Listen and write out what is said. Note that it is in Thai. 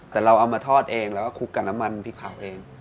แต่เราเอามาทอดเองแล้วก็คลุกกับน้ำมันพริกเผาเอง